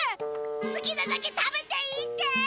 すきなだけ食べていいって！